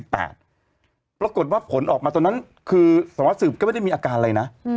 ปรากฏว่าผลออกมาตอนนั้นคือสวัสสืบก็ไม่ได้มีอาการอะไรนะ